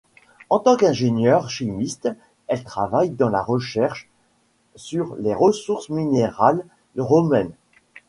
En tant qu'ingénieure chimiste, elle travaille dans la recherche sur les ressources minérales roumaines.